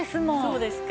そうですか？